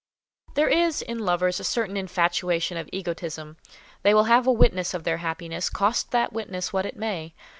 There is, in lovers, a certain infatuation of egotism; they will have a witness of their happiness, cost that witness what it may.